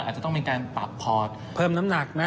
อาจจะต้องมีการปรับพอร์ตเพิ่มน้ำหนักนะ